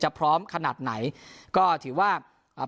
พร้อมขนาดไหนก็ถือว่าอ่า